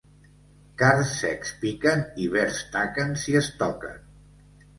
Cards secs piquen i verds taquen si es toquen.